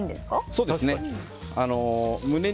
そうですね。